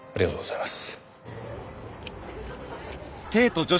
はい。